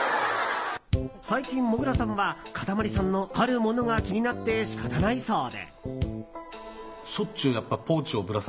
最近、モグラさんはかたまりさんのあるものが気になって仕方ないそうで。